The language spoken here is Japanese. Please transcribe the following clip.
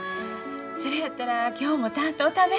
それやったら今日もたんとお食べ。